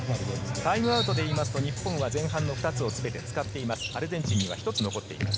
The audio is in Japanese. タイムアウトでいいますと日本は前半の２つを使っています。